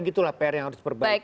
gitu lah pr yang harus diperbaiki